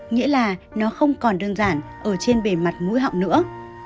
nghĩa là nó không còn đơn giản ở trên bề mặt mũi họng nữa